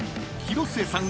［広末さん